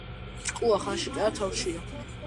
შემდეგ კი გადავიდა კონსალტინგის სფეროში.